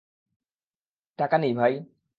টাকা নেই, ভাই।